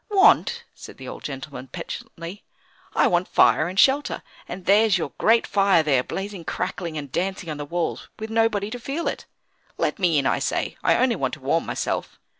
"Want?" said the old gentleman, petulantly, "I want fire and shelter; and there's your great fire there blazing, crackling, and dancing on the walls, with nobody to feel it. Let me in, I say; I only want to warm myself."